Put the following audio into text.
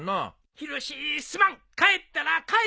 ヒロシすまん帰ったら返すから。